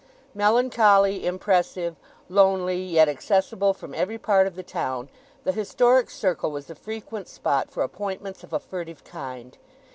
Melancholy, impressive, lonely, yet accessible from every part of the town, the historic circle was the frequent spot for appointments of a furtive kind.